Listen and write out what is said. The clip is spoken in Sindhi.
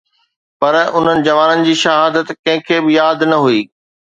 پر انهن جوانن جي شهادت ڪنهن کي به ياد نه هئي